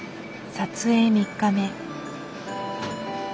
撮影３日目。